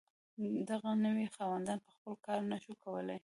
دغه نوي خاوندان په خپله کار نشو کولی.